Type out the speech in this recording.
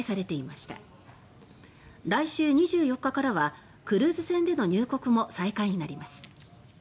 また、来週２４日からはクルーズ船での入国も再開になります。